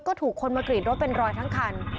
ก็ถูกคนมากรีดรถเป็นรอยทั้งคัน